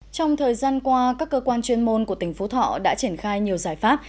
trong thời gian qua các cơ quan chuyên môn của tỉnh phú thọ đã triển khai nhiều giải pháp